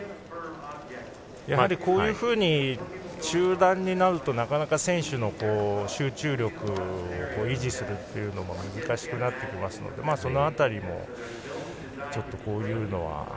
こういうふうに中断になるとなかなか選手の集中力を維持するのも難しくなってきますのでその辺りでもちょっとこういうのは。